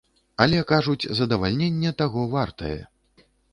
Але, кажуць, задавальненне таго вартае.